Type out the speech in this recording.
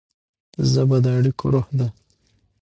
ژبه د اړیکو روح ده.